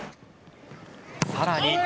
さらに。